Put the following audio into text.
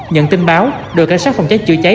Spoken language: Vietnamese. nhận tin báo đội cảnh sát phòng cháy chữa cháy